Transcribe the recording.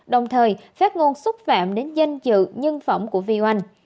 đồng thời phát ngôn xúc phạm đến danh dự nhân phẩm của vi oanh